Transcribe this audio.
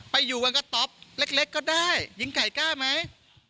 ไปอยู่บนกระต๊อปเล็กก็ได้หญิงไก่กล้าไหม